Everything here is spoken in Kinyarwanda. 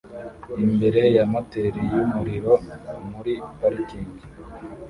imbere ya moteri yumuriro muri parikingi